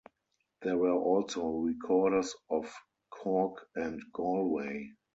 There were also Recorders of Cork and Galway.